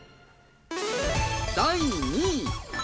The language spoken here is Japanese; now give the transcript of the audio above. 第２位。